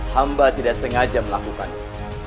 hamba tidak sengaja melakukannya